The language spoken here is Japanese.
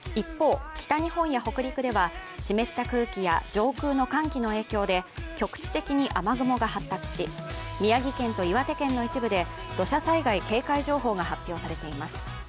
一方、北日本や北陸では湿った空気や上空の寒気の影響で局地的に雨雲が発達し、宮城県と岩手県の一部で土砂災害警戒情報が発表されています。